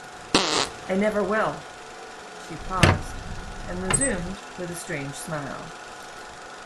I never will!’ She paused, and resumed with a strange smile.